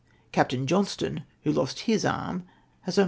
Captain Johnstone, who lost his arm, has only 45